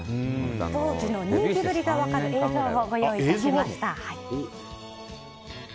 当時の人気ぶりが分かる映像をご用意しました。